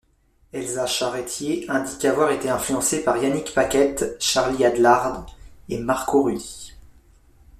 Elsa Charretier indique avoir été influencée par Yanick Paquette, Charlie Adlard et Marco Rudy.